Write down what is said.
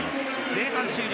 前半終了。